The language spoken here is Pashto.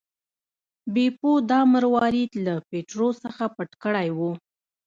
بیپو دا مروارید له پیټرو څخه پټ کړی و.